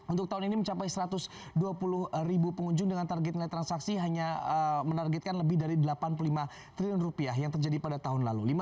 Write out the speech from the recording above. untuk tahun ini mencapai satu ratus dua puluh ribu pengunjung dengan target nilai transaksi hanya menargetkan lebih dari delapan puluh lima triliun rupiah yang terjadi pada tahun lalu